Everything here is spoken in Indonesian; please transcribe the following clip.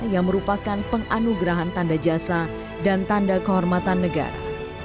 yang merupakan penganugerahan tanda jasa dan tanda kehormatan negara